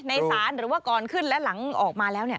ในศาลหรือว่าก่อนขึ้นและหลังออกมาแล้ว